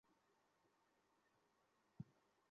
আপনি বয়সে তরুণ।